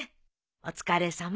お疲れさま。